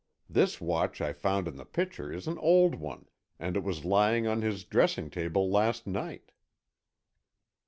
This watch I found in the pitcher is an old one, and it was lying on his dressing table last night."